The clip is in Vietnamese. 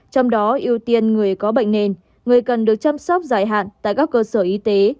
trong đó ưu tiên người có bệnh nền người cần được chăm sóc dài hạn tại các cơ sở y tế